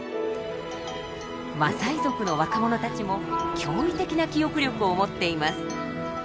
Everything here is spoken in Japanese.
マサイ族の若者たちも驚異的な記憶力を持っています。